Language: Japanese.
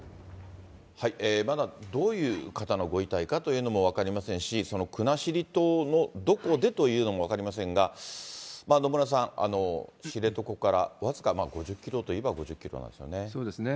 まだどういう方のご遺体かというのも分かりませんし、国後島のどこでというのも分かりませんが、野村さん、知床から僅か５０キロといえば５０キロなんですよね。